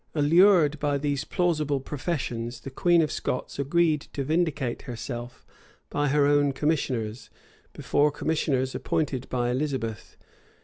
[*] Allured by these plausible professions, the queen of Scots agreed to vindicate herself by her own commissioners, before commissioners appointed by Elizabeth.